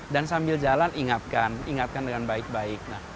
dan sambil jalan ingatkan ingatkan dengan baik baik